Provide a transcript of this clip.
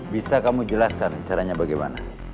bisa kamu jelaskan caranya bagaimana